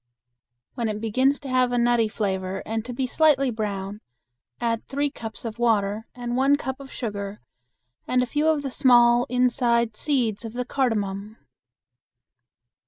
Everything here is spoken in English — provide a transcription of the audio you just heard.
When it begins to have a nutty flavor and to be slightly brown, add three cups of water and one cup of sugar and a few of the small inside seeds of the cardamon.